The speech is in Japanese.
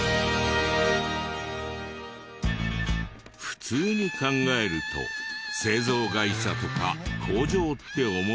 普通に考えると製造会社とか工場って思うけど。